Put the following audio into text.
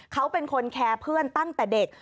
เขาเป็นคนแคร์เพื่อนตั้งแต่เด็ก